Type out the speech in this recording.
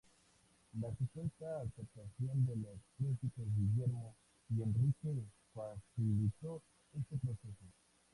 La supuesta aceptación de los príncipes Guillermo y Enrique facilitó este proceso.